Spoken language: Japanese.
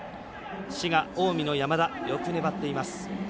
滋賀、近江の山田よく粘っています。